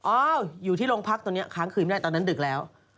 อ้าวอยู่ที่โรงพักตอนนี้ค้างคืนไม่ได้ตอนนั้นดึกแล้ว